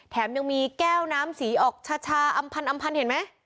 แถมยังมีแก้วน้ำสีออกชะชาอำพันเห็นไหม